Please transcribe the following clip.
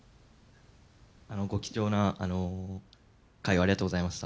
ご貴重な会をありがとうございました。